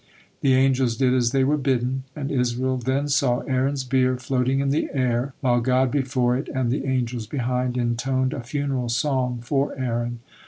The angels did as they were bidden, and Israel then saw Aaron's bier floating in the air, while God before it and the angels behind intoned a funeral song for Aaron.